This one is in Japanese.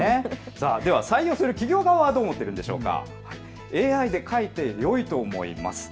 では採用する企業側はどう思っているのでしょうか。